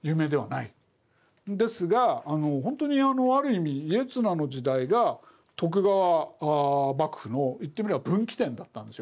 ですが本当にある意味家綱の時代が徳川幕府の言ってみれば分岐点だったんですよ。